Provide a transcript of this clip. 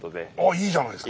いいじゃないですか。